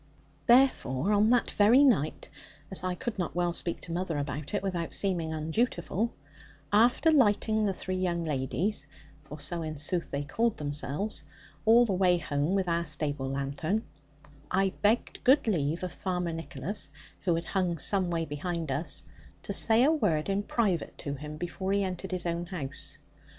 Therefore, on that very night, as I could not well speak to mother about it, without seeming undutiful, after lighting the three young ladies for so in sooth they called themselves all the way home with our stable lanthorn, I begged good leave of Farmer Nicholas (who had hung some way behind us) to say a word in private to him, before he entered his own house.